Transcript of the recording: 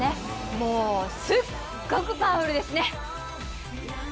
もうすっごくパワフルですね！